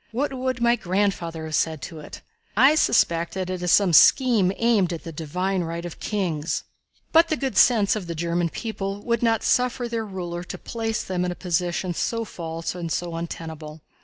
What would my grandfather have said to it? I suspect that it is some scheme aimed at the divine right of kings." But the good sense of the German people would not suffer their ruler to place them in a position so false and so untenable.